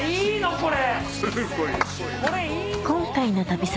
これ！